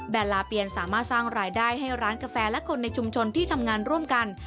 ลาเปียนสามารถสร้างรายได้ให้ร้านกาแฟและคนในชุมชนที่ทำงานร่วมกัน